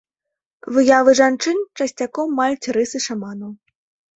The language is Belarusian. Выявы жанчын часцяком маюць рысы шаманаў.